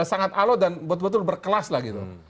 sangat alot dan betul betul berkelas lah gitu